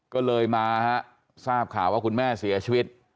ก็เลยมาฮะทราบข่าวว่าคุณแม่เสียชีวิต